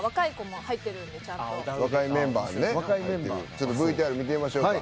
ちょっとＶＴＲ見てみましょうか。